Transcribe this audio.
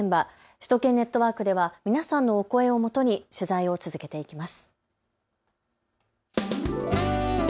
首都圏ネットワークでは皆さんのお声をもとに取材を続けていきます。